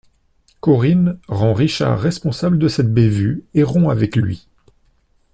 Corinne rend Richard responsable de cette bévue et rompt avec lui.